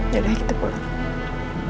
yaudah kita pulang